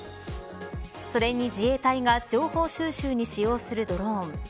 それに自衛隊が情報収集に使用するドローン。